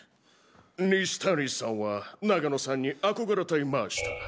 西谷さんは永野さんに憧れていました。